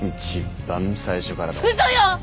一番最初からだよ。